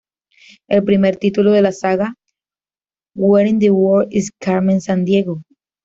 El primer título de la saga, "Where in the World Is Carmen Sandiego?